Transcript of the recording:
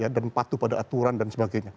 dan patuh pada aturan dan sebagainya